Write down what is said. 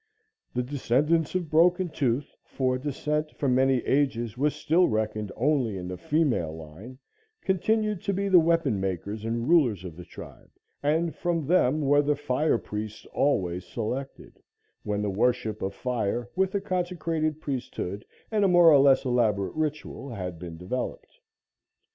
The descendants of Broken Tooth for descent for many ages was still reckoned only in the female line continued to be the weapon makers and rulers of the tribe, and from them were the fire priests always selected, when the worship of fire, with a consecrated priesthood and a more or less elaborate ritual, had been developed.